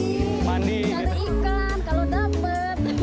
ya mainan taksir mandi cari iklan kalau dapat